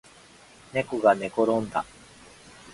ねこがねころんだ